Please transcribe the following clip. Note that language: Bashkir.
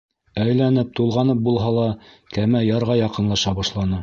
Әйләнеп-тулғанып булһа ла, кәмә ярға яҡынлаша башланы.